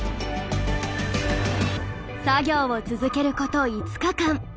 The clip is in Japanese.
作業を続けること５日間。